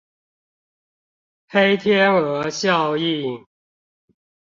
黑天鵝效應